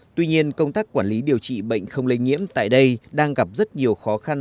tuy nhiên công tác quản lý điều trị bệnh không lây nhiễm tại đây đang gặp rất nhiều khó khăn